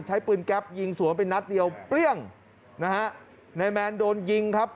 ใช้ปืนแก๊ปยิงสวนไปนัดเดียวเปรี้ยงนะฮะนายแมนโดนยิงครับ